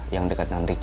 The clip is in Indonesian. yang dekat dengan ricky